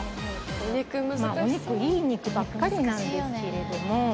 いい肉ばっかりなんですけれども。